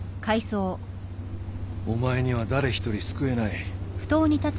お前には誰一人救えない